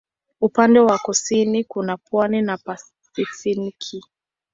Upande wa kusini kuna pwani na Pasifiki.